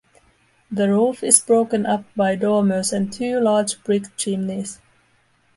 The roof is broken up by dormers and two large brick chimneys.